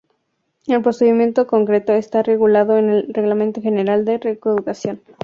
El procedimiento concreto está regulado en el Reglamento General de Recaudación.